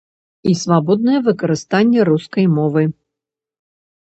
І свабоднае выкарыстанне рускай мовы.